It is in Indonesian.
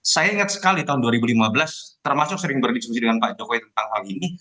saya ingat sekali tahun dua ribu lima belas termasuk sering berdiskusi dengan pak jokowi tentang hal ini